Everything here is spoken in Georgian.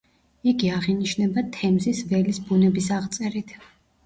იგი აღინიშნება თემზის ველის ბუნების აღწერით.